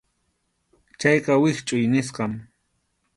Chayqa wischʼuy nisqam.